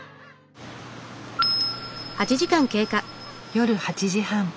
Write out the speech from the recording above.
夜８時半。